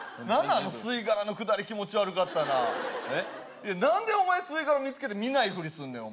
あの吸い殻のくだり気持ち悪かったな何でお前吸い殻見つけて見ないふりすんねん？